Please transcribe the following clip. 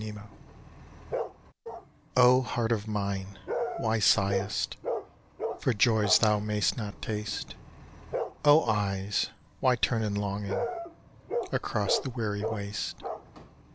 HEIMWEH O heart of mine, why sighest For joys thou may'st not taste? O eyes, why turn in longing Across the weary waste?